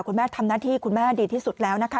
คุณแม่ทำหน้าที่คุณแม่ดีที่สุดแล้วนะคะ